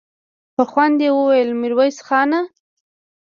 په خوند يې وويل: ميرويس خانه!